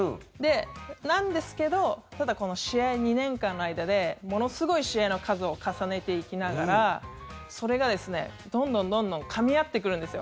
なんですけどただ、この試合、２年間の間でものすごい試合の数を重ねていきながらそれがどんどん、どんどんかみ合ってくるんですよ。